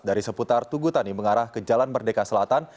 dari seputar tugutani mengarah ke jalan merdeka selatan